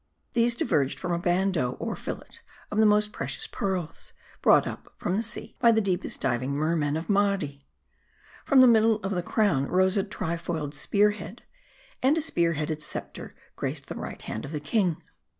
These diverged from a bandeau or fillet of the most precious pearls ; brought up from the sea by the deepest diving mermen of Mardi. From the middle of the crown rose a tri foiled spear head. And a spear headed scepter graced the right hand of the king.